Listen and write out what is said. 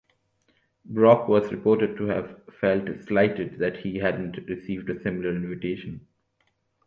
Brock was reported to have felt slighted that he hadn't received a similar invitation.